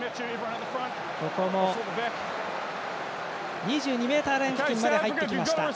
ここも２２ｍライン付近まで入ってきました。